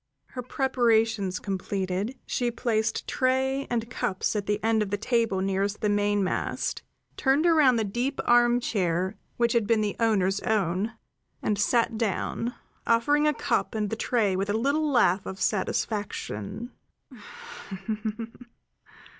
Her preparations completed, she placed tray and cups at the end of the table nearest the mainmast, turned around the deep armchair which had been the owner's own, and sat down, offering a cup and the tray with a little laugh of satisfaction.